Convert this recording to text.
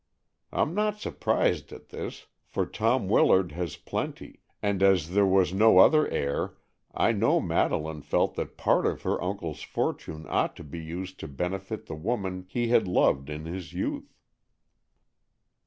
I'm not surprised at this, for Tom Willard has plenty, and as there was no other heir, I know Madeleine felt that part of her uncle's fortune ought to be used to benefit the woman he had loved in his youth."